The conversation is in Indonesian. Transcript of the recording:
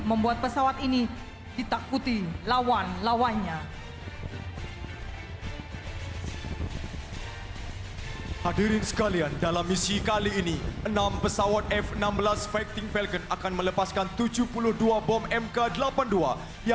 membuat pesawat ini ditakuti lawan lawannya